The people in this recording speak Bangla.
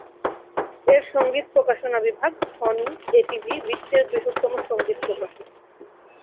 এর সঙ্গীত প্রকাশনা বিভাগ সনি/এটিভি বিশ্বের বৃহত্তম সঙ্গীত প্রকাশক।